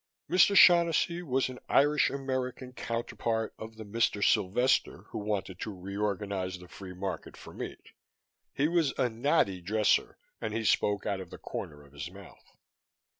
Mr. Shaughnessy was an Irish American counterpart of the Mr. Sylvester who wanted to reorganize the free market for meat. He was a natty dresser and he spoke out of the corner of his mouth.